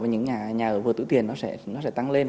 và những nhà ở vừa túi tiền nó sẽ tăng lên